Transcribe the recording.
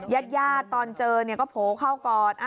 ญาติย่าตอนเจอก็โผล่เข้าก่อน